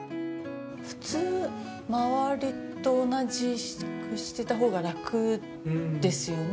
普通、周りと同じくしてたほうが楽ですよね。